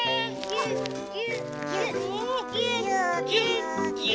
ぎゅっぎゅっぎゅっ。